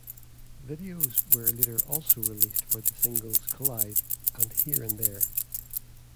Videos were later also released for the singles "Collide" and "Here and There".